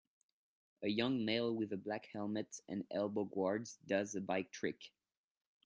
A young male with a black helmet and elbow guards does a bike trick